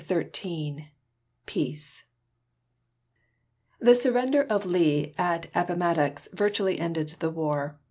CHAPTER XIII PEACE The surrender of Lee at Appomattox virtually ended the war.